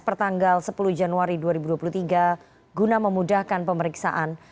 pertanggal sepuluh januari dua ribu dua puluh tiga guna memudahkan pemeriksaan